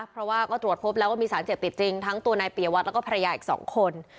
เพราะว่าก็ตรวจพบแล้วว่ามีสารเสพติดจริงทั้งตัวนายปียวัตรแล้วก็ภรรยาอีก๒คน